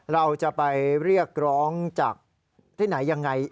เราจะไปเรียกร้องจากที่ไหนยังไง